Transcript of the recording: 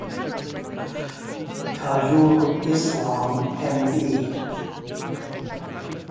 Tajul Islam Md.